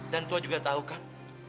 dan tuhan juga tahu kan